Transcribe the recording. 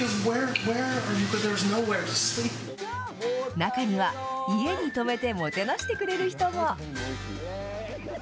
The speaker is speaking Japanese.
中には、家に泊めてもてなしてくれる人も。